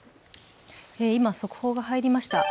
今、速報が入りました。